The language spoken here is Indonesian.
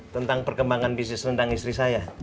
tentang perkembangan bisnis rendang istri saya